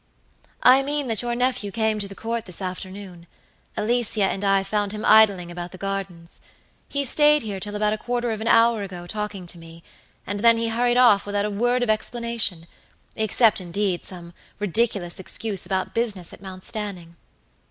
"I mean that your nephew came to the Court this afternoon. Alicia and I found him idling about the gardens. He stayed here till about a quarter of an hour ago talking to me, and then he hurried off without a word of explanation; except, indeed, some ridiculous excuse about business at Mount Stanning."